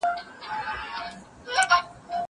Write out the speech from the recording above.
زه پرون ښوونځی ته ځم وم.